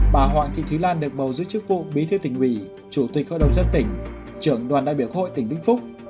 bà hoàng thị thúy lan được bầu giữ chức vụ bí thư tỉnh ủy chủ tịch hội đồng dân tỉnh trưởng đoàn đại biểu hội tỉnh vĩnh phúc